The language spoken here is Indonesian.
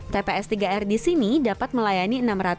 tps tiga r di sini dapat membangun kelompok swadaya masyarakat